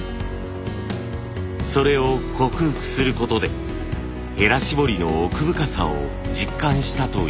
それを克服することでヘラ絞りの奥深さを実感したといいます。